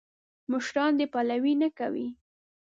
مشران دې پلوي نه کوي.